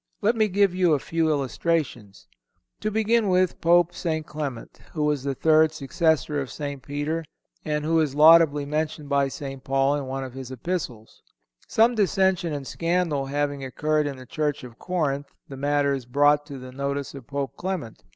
Let me give you a few illustrations: To begin with Pope St. Clement, who was the third successor of St. Peter, and who is laudably mentioned by St. Paul in one of his Epistles. Some dissension and scandal having occurred in the church of Corinth, the matter is brought to the notice of Pope Clement.